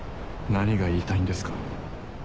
何が言いたいんですか？